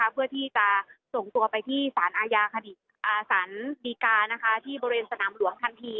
เพื่อที่จะส่งตัวไปที่ศาลดีการณ์ที่บริเวณสนามหลวงทันที